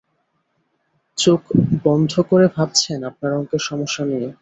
চোখ বৃন্ধ করে ভাবছেন আপনার অঙ্কের সমস্যা নিয়ে।